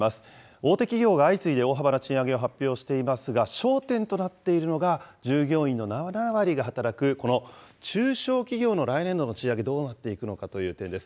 大手企業が相次いで大幅な賃上げを発表していますが、焦点となっているのが、従業員の７割が働く、この中小企業の来年度の賃上げ、どうなっていくのかという点です。